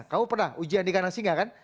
kamu pernah ujian di kanan singa kan